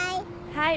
はい。